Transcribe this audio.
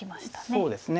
そうですね。